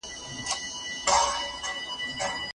درېيم قول.